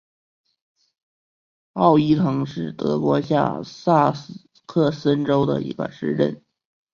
奥伊滕是德国下萨克森州的一个市镇。